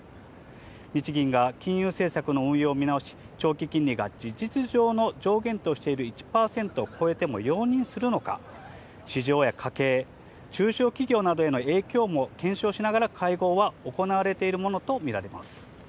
日銀が金融政策の運用を見直し、長期金利が事実上の上限としている１％を超えても容認するのか、市場や家計、中小企業などへの影響も検証しながら会合は行われているものと見られます。